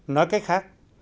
nói cách khác